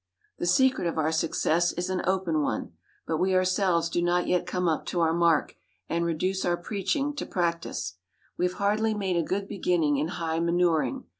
"The secret of our success is an open one; but we ourselves do not yet come up to our mark, and reduce our preaching to practice. We have hardly made a good beginning in high manuring.